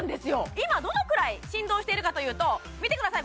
今どのくらい振動してるかというと見てください